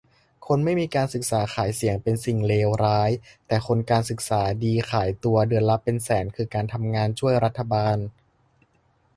"คนไม่มีการศึกษาขายเสียงเป็นสิ่งเลวร้าย แต่คนการศึกษาดีขายตัวเดือนละเป็นแสนคือการทำงานช่วยรัฐบาล"